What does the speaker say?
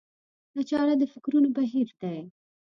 دا چاره د فکرونو بهير دی.